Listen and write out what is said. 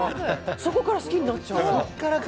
そこから好きになっちゃうの。